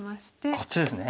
こっちですね。